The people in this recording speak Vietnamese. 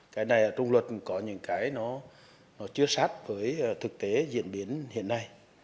cái này là trung luật có những cái nó chưa sát với thực tế diễn biến hiện nay